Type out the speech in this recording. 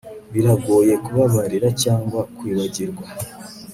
Biragoye kubabarira cyangwa kwibagirwa